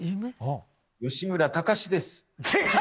吉村崇です。